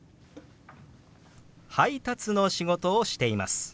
「配達の仕事をしています」。